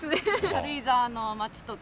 軽井沢の町とか。